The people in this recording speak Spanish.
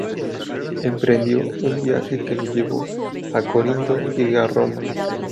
Emprendió un viaje que le llevó a Corinto y a Roma.